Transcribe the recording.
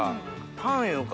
パンいうか。